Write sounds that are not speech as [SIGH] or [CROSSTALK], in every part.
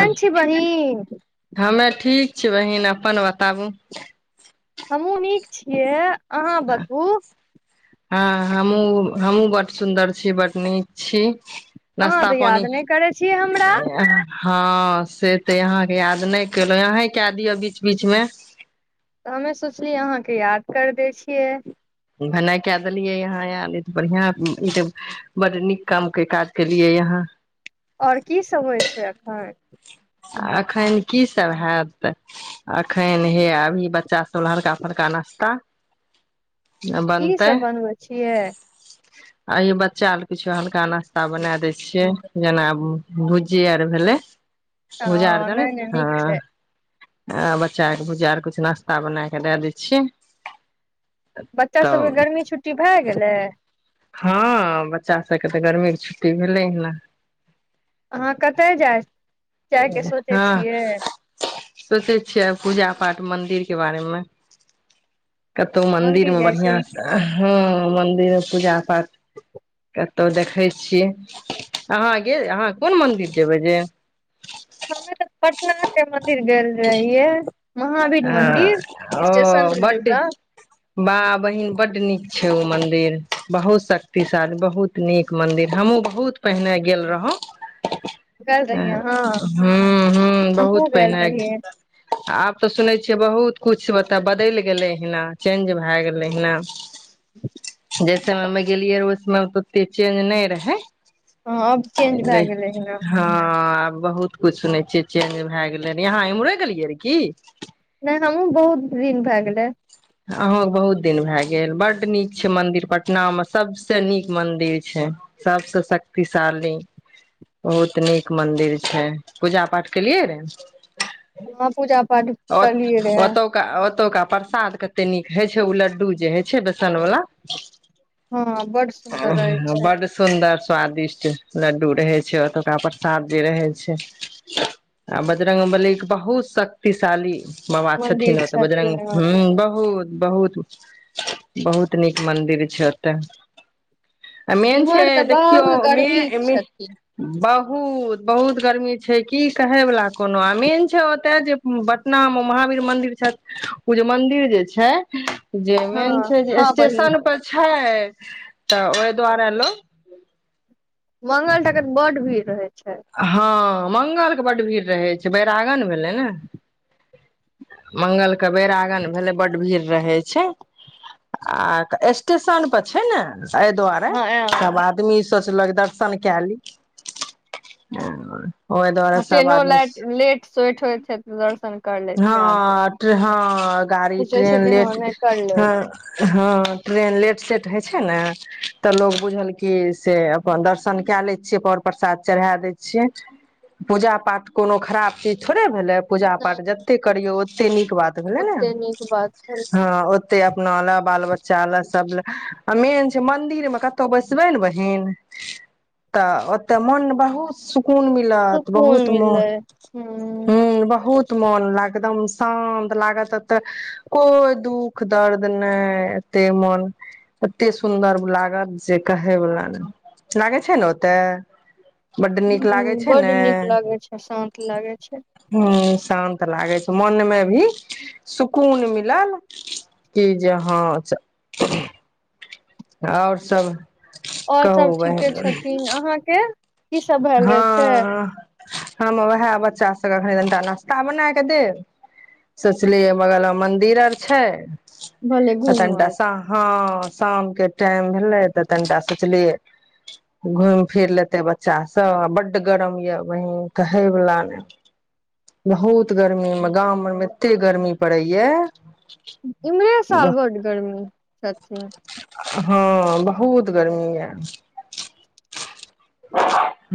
Hello, छी बहिन हमे ठीक बहिन अपन बताबू हमहूँ नीक छियै अहाँ बताू हँ हमहुँ हमहुँ बड सुन्दर छी बड नीक छी अहाँ नाश्ता तऽ पानी याद नहि करै छियै हमरा हँ से तऽ यहाँके याद नहि केलहु अहीं क दिअ बीच बीचमे तऽ हमे सोचलियै अहाँके याद कर दै छियै भेनाइ कए देलियै यहाँ आयल ई तऽ बढ़िआँ ई तऽ बड़ नीक कामके काज केलियै यहाँ आओर कीसभ होइ छै एखन एखन कीसभ हत एखन हे अभी बच्चासभ हलका फलका नाश्ता की बनतै सभ बनबै छियै अ बच्चा अर किछो हल्का नाश्ता बनाए दै छियै जेना भुजी आर भेलै ह गुजार छ ने नहि नहि हँ नीक छै आ बच्चा के भुजार किुछु नाश्ता बना कऽ दए दै छियै बच्चा तऽ सभके गर्मी छुट्टी भए गेलै हँ बच्चा सभके तऽ गर्मीके छुट्टी भेलै ह ने अहाँ कतय जाय जाय क सोचै हँ छियै सोचै छियै पूजा पाठ मन्दिरके बारेमे कतहु मंदिर मे जाइ बढ़िआं छी से हँ मन्दिरमे पूजा पाठ कतहु देखैत छीिय अहाँ गेल अहाँ कोन मन्दिर जेबै जे कनाथ के मंदिर गेल रहिये हँ ओ गेल ब्ड भा बहिन बडनी छै ओ मन्दिर बहुत शक्तिशाली बहुत नीक मंन्दिर हमहूँ बहुत पहिने गेल रहौँ ह रहियै अहाँ ह बहुत हमहुँ गेल पहिने रहियै आब तऽ सुनै छियै बहुत किछ मता बदलि गेलै हना चेंज भए गेलै हना जै समयमे गेलियै र ओहि समय तऽ ओते चेंज नहि रहे हँ आब चेंज भए गेलै हन हँ आब बहुत कुछ सुनै छियै चेंज भए गेले यहाँ इम्हरे गेलियै र की नहि हमहूँ बहुत दिन भए गेलै अहूँके बहुत दिन भए गेल बड्ड नीक छै मन्दिर पटनामे सभसँ नीक मन्दिर छै सभसँ शक्तिशाली बहुत नीक मन्दिर छै पूजा पाठ केलियै रए हँ पूजा पाठ करलियए रहै ओतौका ओतौका प्रसाद क कते नीक हइ छै ओ लड्डू जे होइ छै बेसन वालला हँ बड सुन्दर रहै ओ छै बड सुन्दर स्वादिष्ट लड्डू रहे छै ओतुका प्रसाद जे रहे छै। आ बजरंग बली एक बहुत शक्तिशाली माछ ने मंदिर तऽ, बुझे छथिन हँ। बहुत बहुत नीक मन्दिर छै ओतय आ मेन छै इम्हर तऽ देखियौ बहुत मे गर्मी छथिन ब बहुत बहुत गर्मी छै की कहे वाला कोनो आ मेन छै ओते जे पटना मे महावीर मंदिर छै उ जे मंदिर जे छै छै जे हँ मेन छै जे हँ बहिन स्टेशन पर छै। तऽ ओहि दुआरे लोक मंगलटा के तऽ बड़ भीड़ रहै छै। हँ मंगल के बड भीड़ रहे छै बैरांगन मे बल ने मंगल के बेैरागन भेलै बड भीड़ रहै छै। आ स्टेशन पर छै ने एहि दुआरे हँ सभ आदमी सोचलक दर्शन कए ली ह ओहि दुआरे आ सभ ट्रेनो आदमी लाइट लेट सेट होइ छै तऽ दर्शन कर ले छै आदमी हँ हँ, सोचै छै ट्रेन कि हँ नहि कर लेब लेट छै। सेट होइ छै ने तऽ लोग बुझल क से अपन दर्शन कए ले छियै पर प्रसाद चढ़ा दै छियै पूजा पाठ कोनो खराब चीज थोड़े भेलै पूजा नहि पाठ नहि जतेक करियौ ओतेक नीक बात भेलै ने ओते नीक बात भेल हँ ओे अपना ल बाल बच्चा ल सब ले आ मेन छै मंदिर मे कतहु बैसबे ने बहिन तऽ ओते मन बहुत सुख सुकून मिलत सुकून बहुत मन मिललै ह ह बहुत मन लागदम शान्त लागत एते कोइ दुःख दर्द नहि एते मन एते सुन्दर लागत जे कहेवला ने लागै छै ने ओते बड्ड ह नीक लागे छै बड्ड ने नीक लागै छै शान्त लागै छै ह शान्त लागै छै मनमे भी सुकून मिलल कि जे हँ आओर सब आओर कहू सभ ठीके बहिन छथिन अहाँके की सब भेल रहै से हँ हम उएह बच्चा सभके एखनि तनिटा नाश्ता बना कऽ देब सोचलियै बगलमे मन्दिर आओर छै भले तनिटा घूमब सा हँ साम के टाइम भेलै तऽ तनिटा सोचलियै घुम फिर लेते बच्चा सभ त बड्ड गर्मी ये बहीन कहै वला ने बहुत गर्मी मे गाम मे एते गर्मी पड़ै ये इमरे साल बड्ड गर्मी सचमे हँ बहुत गर्मी ये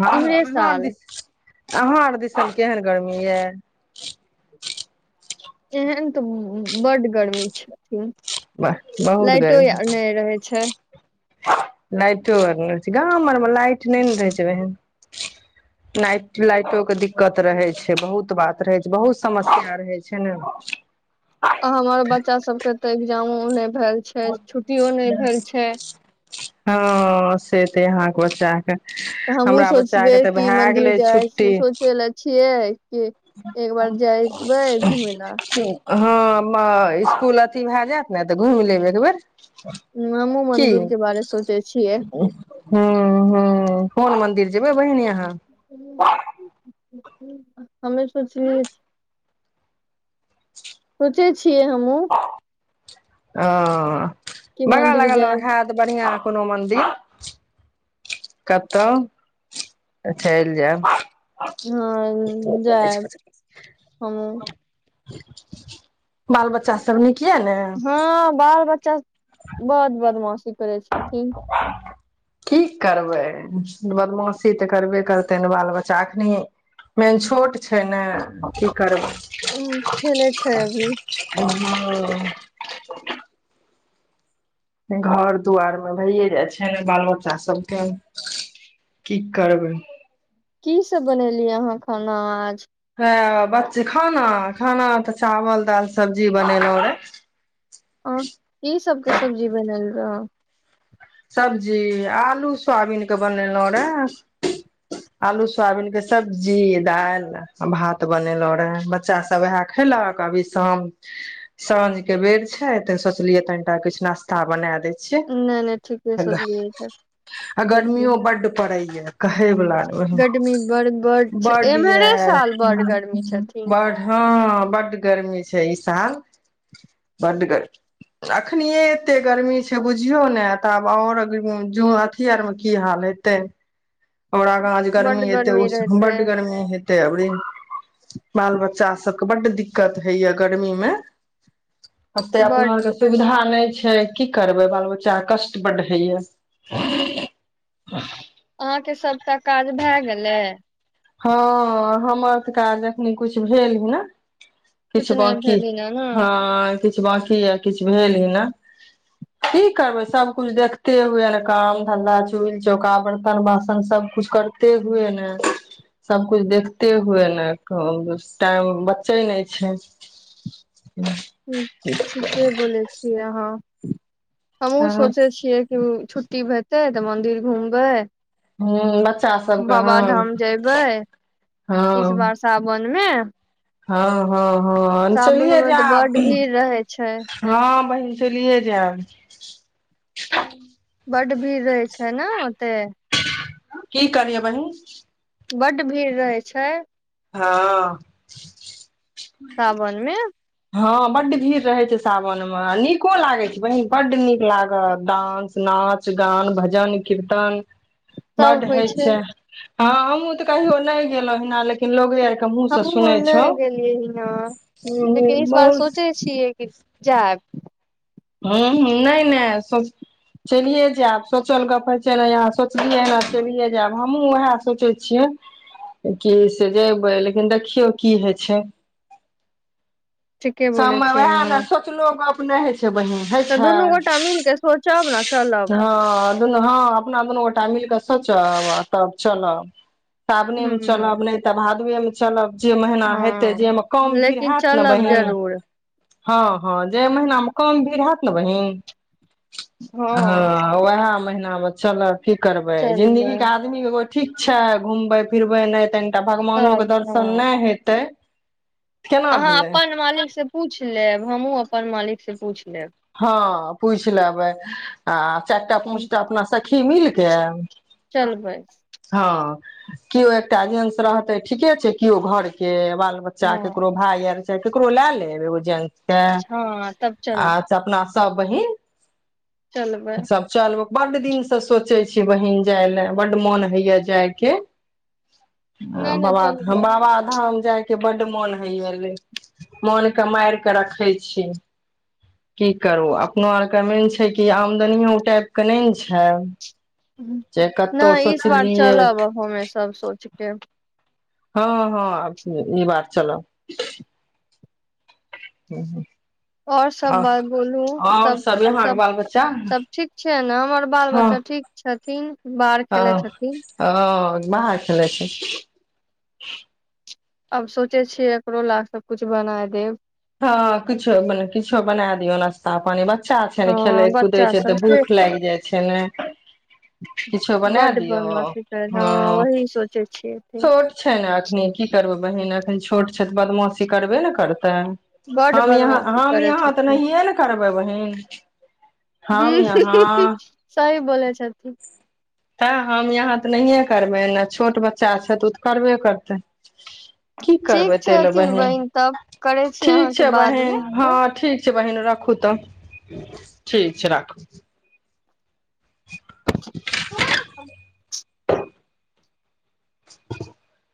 हँ इम्हरे इम्हर साल दिस अहाँ आर दिसन केहन गर्मी ये एहन तऽ बड्ड गर्मी छथिन बहुत लाइटो गर्मी नहि रहै छै लाइटो आर नहि रहै छै गाम आरमे लाइट नहि ने रहै छै ओहन लाइट लाइटोे के दिक्कत रहै छै बहुत बात रहै छै बहुत समस्या रहै छै ने आ हमर बच्चा सब के तऽ एग्जामो मे भेल छै छुट्टियो नहि भेल छै हँ से ते अहाँके बच्चा केँ तऽ हमहूँ सोचबै कि मन्दिर गेलै जाइ छुट्टी सोचै लए छियै कि एक बार जयबै घूमय लए हँ म इसकुल अथी भए जायत ने तऽ घुमि लेबे एक बेर हँ हमहुँ की मन्दिरके बारे सोचै छियै हँ हँ कोन मंदिर जेबै बहिन अहाँ ह [INAUDIBLE] हमे सोचलियै उ चीज छियै हमहुँ ओ बगल मन्दिर अगलमे जायब हेत बढ़ियां कोनो मन्दिर कतहु तऽ चलि जाएब हँ जाएब हमहुँ बाल बच्चा सब नीक ये ने हँ बाल बच्चा बड्ड बदमाशी करै छथिन की करबै बदमाशी तऽ करबे करतै ने बाल बच्चा एखनी मेन छोट छै ने की करबै हँ खेलै छै अभी ओ घर दुआरमे भैए जाइ छै ने बाल बच्चा सभके की करबै की सब बनेलियै अहाँ खाना आज ह बच्चे खाना खाना तऽ चावल दाल सब्जी बनेलहुँ रहे उ ई सब के सब्जी बनल हँ सब्जी आलू सोयाबीनक के बनेलहुं रे आलू सोयाबीनक के सब्जी दालि भात बनेलहुं रे बच्चा सब उएह खलक अभी शाम साँझ के बेर छै तऽ सोचलियै तनिटा किछु नाश्ता बना दै छियै नहि नहि ठीके छै आ गर्मियो बड पड़े य कहे वला गर्मी बड़ छै बड एम्हरे य साल बड गर्मी छथिन ब ह बड गर्मी छै ई साल बड गर्मी छै बुझियौ ने तऽ आब आओर अथी आर मे की हाल हेतै हमरा गाँ बड गर्मी एते ओ रहते बड गर्मी हेते अबरी बाल बच्चा सभकेँ बड्ड दिक्कत होइए गर्मीमे आतऽ बड अपनारके सुविधा नहि छै की करबै बाल बच्चा कष्ट बढ़ै होइ या अहाँके सभटा काज भए गेलै हँ हमर तऽ काज जखनी किछु भेल ह ने कुछ किछु नहि बकी भेल ह ने हँ किछु बकी या किछु भेल ही ने की करबै सब कुछ देखते हुए ने काम धन्धा चूल्हि चौका बर्तन बासन सब कुछ करते हुए नेए सबकुछु देखते हुए ने टाइम बचै नहि छै ह ठीके बोलै छीय अहाँ हमू तऽ सोचे छियै कि छुट्टी हेतै तऽ मंदिर घुमबै ह बच्चा सभके हँ बाबाधाम जेबै हँ ने हँ हँ हँ हम चलिय मे जा तऽ बड्ड भीड़ रहै छै हँ बह चलिए जायब [UNINTELLIGIBLE] बड भीड़ रहै छै ने ओते की कहलिय बहिन बड्ड भीड़ रहै छै हँ साावनमे हँ बड भीड़ रहै छै सावन मे नीको लागै छै बहिन बड्ड नीक लागत डानंस नाच गान भजन कीर्तन बड्ड होइ छै हँ हमहुँ तऽ कहियो नहि गेलहुँ हना लेकिन लोगे मुँहसँ हमहु सुनै ने छौ गेलिय हिया बार बहुत सोचै छियै कि जाएब हुँ हुँ नहि नहि सो चलिए जायब सोचल गप्प होै छै ने अहाँ सोचलियै हन चलिए जायब हमहूँ उएह सोचै छियै कि से जयबै लेकिन देखियौ की होइ छै ठीके बोलै सबमे छियै उएह ने अहाँ सोचलो गप उ नै होय छै जे बहिन होय तऽ छै दुनू गोटा मिल के सोचब ने चलब हाँ दुनू हाँ अपना दु गोटा मिलकऐ सोचब तब चलब साबने मे हूँ चलब नहि तऽ भादुऐ मे चलब जे महीना हेतै जेमे कम हँ भीड़ लेकिन होयत ने चलब बहीन जरूर हँ हँ जे महिना कम भीड़ हायत ने बहिन हँ ओएह महिना आब चलऽ की करबै जिंन्दगी चलबै के आदमी कोय ठीक छै घुमबै फिरबै नहि त एकटा भगवानो के तब दर्शन हँ नहि हेतै केना अहाँ भेलै अपन मालिक से पूछ लेब हमूँ अपन मालिक से पूछ लेब हँ पूछि लेबै आ चारिटा पाँचटा अपनासँ सखी की मिलके चलबै केओ एकटा जंस रहतै ठीके छै केओ घर के बाल बच्चा हँ केकरो भाय यार ककरो लय लेब एगो जेन्स हँ तब चलबेय आब सब बहिन चलबै सब चलब बड्ड दिनसँ सोचै छी बहिन जाय लए बड मोन होइया जायके नहि नहि बाबाध चलबै बाबाधाम जायके बड्ड मोन होईया लेकिन मोन के मारिकऽ रखै छी की करू अपनो आरके मेन छै कि आमदनीयो ओ टाइपके नहि ने छै जे कतहु नहि इस बार सोचलियै चल हमे सब सोचके केब हँ हँ ई बार चलब हुँ हुँ आओर सब बात बोलू सब यहाँके सब बाल बच्चा सब ठीक छै ने हमर बाल बच्चा ठीक छथि किंग ह ओ बाहर खेल छथि आब सोचे छियै एकरो ला सबकुछु बना देब हँ किछो मने किछो बना दियौ नाश्ता पानी बस अच्छा छै ने खेलै हँ कुदै बच्चा छै तऽ सब से भूख लागि जाइ छै ने किछो बना बड्ड दियौ बदमाशी करे हँ वही सोचे छियै छोट छै ने एखनी की करबै बहिन एखन छोट छै तऽ बदमाशी करबे ने करतै बड हम यहाँ बदमाशी हम करै यहाँ तऽ छथिन नहिए ने करबै बहीन हम ह यहाँ सही बोलै छथिन तऽ हम यहाँ तऽ नहिए करबै ने छोट बच्चा छै तऽ ओ तऽ करबे करतै की ठीक करबै ताहि लए छैथिन बहिन बहिीन तब करै छी ठीक छै अहाँके बहिन बादमे हँ फ ठीक बहिन राखू तऽ ठीक छै राखू [INAUDIBLE]